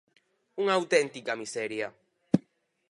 ¡Unha auténtica miseria!